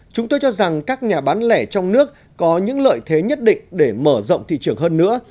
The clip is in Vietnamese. chúng tôi cho rằng các nhà bán lẻ trong nước có những lợi thế nhất định để mở rộng thị trường hơn nữa